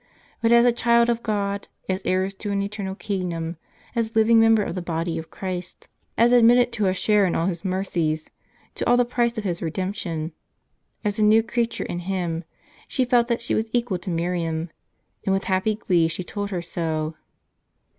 But as a child of God, as heiress to an eternal kingdom, as a living member of the body of mr Christ, as admitted to a share in all His mercies, to all the price of His redemption, as a new creature in Him, she felt that she was equal to Miriam, and with happy glee she told her so.